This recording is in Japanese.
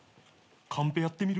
カンペやってみる？